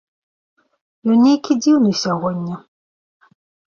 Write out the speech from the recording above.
Ён нейкі дзіўны сягоння.